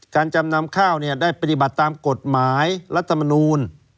จำนำข้าวได้ปฏิบัติตามกฎหมายรัฐมนูล